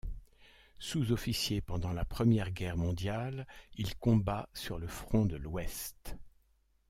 Sous-officier pendant la Première Guerre mondiale, il combat sur le front de l'Ouest.